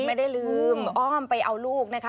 ไม่ได้ลืมอ้อมไปเอาลูกนะคะ